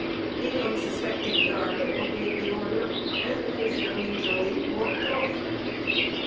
The unsuspecting guard obeyed the order, and the prisoner leisurely walked off.